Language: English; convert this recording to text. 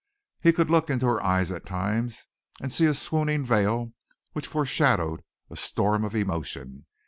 He could look in her eyes at times and see a swooning veil which foreshadowed a storm of emotion.